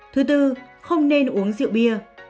thứ bốn không nên uống rượu bia